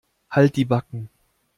Halt die Backen.